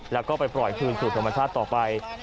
แล้วก็ไปปล่อยคืนสู่ธรรมชาติต่อไป